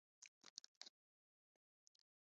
د ولس ملاتړ په دوامداره اړیکه او رښتینولۍ ساتل کېږي